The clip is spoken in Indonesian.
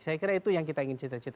saya kira itu yang kita ingin cita cita